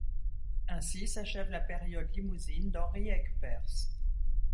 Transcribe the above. Ainsi s'achève la période limousine d'Henri Aigueperse.